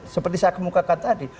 seperti saya kemukakan tadi